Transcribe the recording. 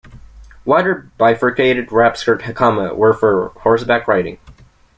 Wider bifurcated wrap-skirt hakama were for horse-back riding.